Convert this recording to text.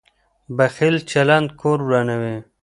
بخیل چلند کور ورانوي.